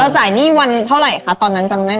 อาจารย์นี่ไหมเท่าไรคะตอนนั้นทำแน่น